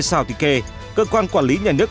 sao thì kê cơ quan quản lý nhà nước